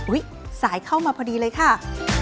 สายเข้ามาพอดีเลยค่ะ